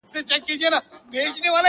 خو په ونه کي تر دوی دواړو کوچنی یم-